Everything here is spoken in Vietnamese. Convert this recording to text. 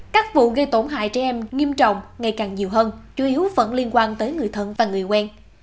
các vụ gây tổn hại trẻ em nghiêm trọng ngày càng nhiều hơn chủ yếu vẫn liên quan tới người thân và người quen